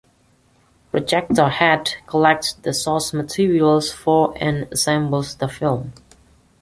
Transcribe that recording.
Projectorhead collects the source material for and assembles the films.